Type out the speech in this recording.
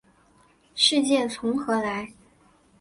世界从何来？